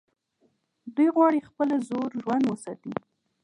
دوی غواړي خپل زوړ ژوند وساتي.